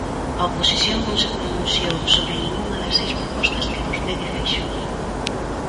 A oposición non se pronunciou sobre ningunha das seis propostas que vostede fixo.